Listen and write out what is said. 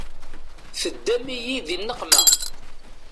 Teddam-iyi di nneqma.